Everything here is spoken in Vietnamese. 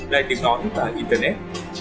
lại từng đó đến cả internet